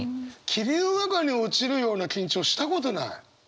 霧の中に落ちるような緊張したことない。